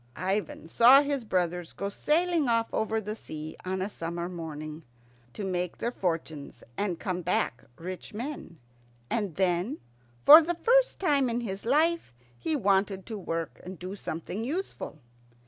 Ivan saw his brothers go sailing off over the sea on a summer morning, to make their fortunes and come back rich men; and then, for the first time in his life, he wanted to work and do something useful.